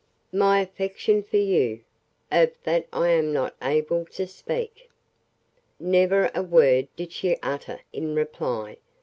"My affection for you ... of that I am not able to speak ..." Never a word did she utter in reply.